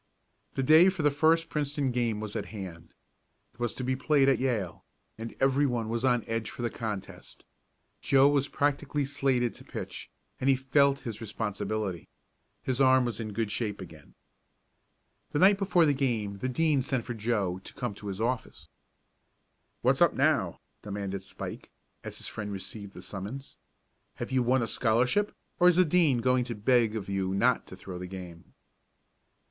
The day for the first Princeton game was at hand. It was to be played at Yale, and everyone was on edge for the contest. Joe was practically slated to pitch, and he felt his responsibility. His arm was in good shape again. The night before the game the Dean sent for Joe to come to his office. "What's up now?" demanded Spike, as his friend received the summons. "Have you won a scholarship, or is the Dean going to beg of you not to throw the game?"